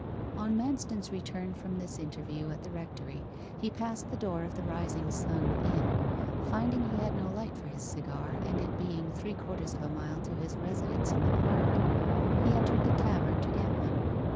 On Manston's return from this interview at the rectory, he passed the door of the Rising Sun Inn. Finding he had no light for his cigar, and it being three quarters of a mile to his residence in the park, he entered the tavern to get one.